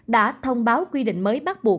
đã thông báo quy định mới bắt buộc